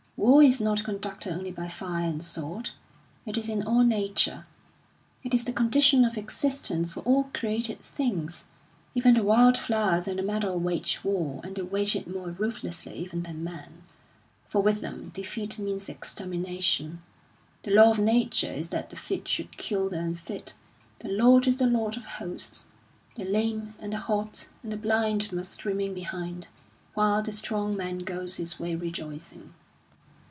War is not conducted only by fire and sword; it is in all nature, it is the condition of existence for all created things. Even the wild flowers in the meadow wage war, and they wage it more ruthlessly even than man, for with them defeat means extermination. The law of Nature is that the fit should kill the unfit. The Lord is the Lord of Hosts. The lame, and the halt, and the blind must remain behind, while the strong man goes his way rejoicing."